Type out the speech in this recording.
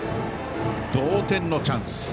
同点のチャンス。